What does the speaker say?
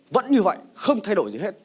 vẫn như vậy không thay đổi gì